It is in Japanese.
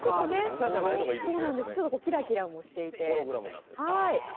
ちょっとキラキラもしていて。